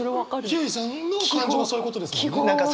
ひゅーいさんの感情はそういうことですもんね？